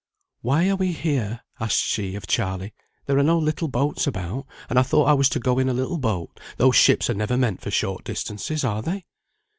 "Why are we here?" asked she of Charley. "There are no little boats about, and I thought I was to go in a little boat; those ships are never meant for short distances, are they?"